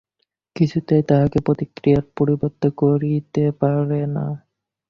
কিছুতেই তাঁহাকে প্রতিক্রিয়ায় প্রবৃত্ত করিতে পারে না।